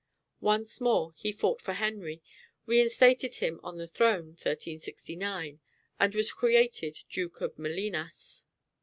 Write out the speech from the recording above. Once more he fought for Henry, reinstated him on the throne (1369), and was created Duke of Molinas.